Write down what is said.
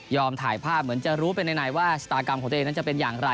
ถ่ายภาพเหมือนจะรู้ไปไหนว่าชะตากรรมของตัวเองนั้นจะเป็นอย่างไร